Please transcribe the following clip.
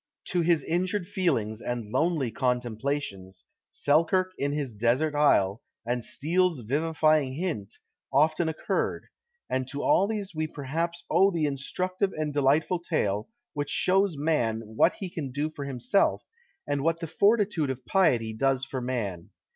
To his injured feelings and lonely contemplations, Selkirk in his Desert Isle, and Steele's vivifying hint, often occurred; and to all these we perhaps owe the instructive and delightful tale, which shows man what he can do for himself, and what the fortitude of piety does for man.